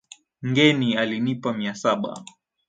Ngeni alinipa Mia saba